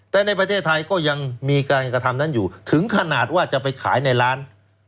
แต่ในประเทศไทยก็ยังมีการกระทำนั้นอยู่ถึงขนาดว่าจะไปขายในร้าน